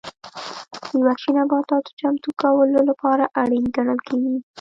د وحشي نباتاتو چمتو کولو لپاره اړین ګڼل کېږي.